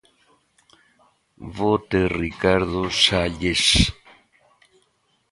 Vote Ricardo Salles.